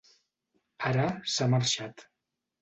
Ara s'ha marxat.